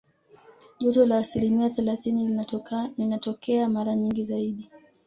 Joto la asilimia thelathini linatokea mara nyingi zaidi